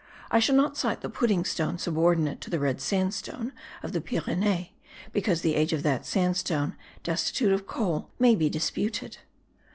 I shall not cite the pudding stone subordinate to the red sandstone of the Pyrenees because the age of that sandstone destitute of coal may be disputed.